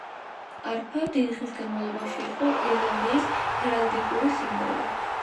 არფა დიდი ხნის განმავლობაში იყო ირლანდიის ჰერალდიკური სიმბოლო.